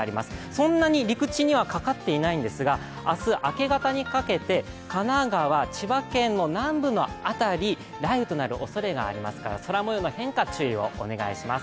そんなに陸地にはかかっていないんですが明日、明け方にかけて神奈川・千葉県の南部の辺り、雷雨となるおそれがありますから空もようの変化、注意をお願いします。